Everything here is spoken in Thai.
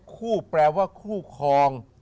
คู่แปลว่าคู่คลอง